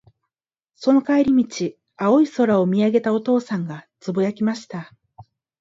その帰り道、青い空を見上げたお父さんが、つぶやきました。